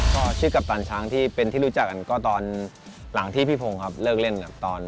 ก็ชื่อกัปตันช้างที่เป็นที่รู้จักกันก็ตอนหลังที่พี่พงศ์ครับเลิกเล่นตอน